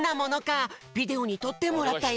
ビデオにとってもらったよ。